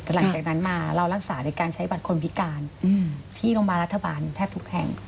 แต่หลังจากนั้นมาเรารักษาในการใช้บัตรคนพิการที่โรงพยาบาลรัฐบาลแทบทุกแห่ง